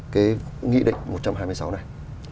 cái nghĩa định một trăm hai mươi sáu này